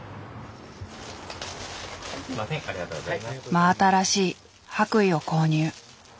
真新しい白衣を購入。